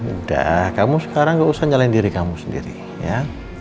udah kamu sekarang gak usah nyalain diri kamu sendiri ya